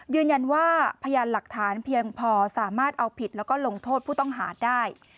พยานหลักฐานเพียงพอสามารถเอาผิดแล้วก็ลงโทษผู้ต้องหาได้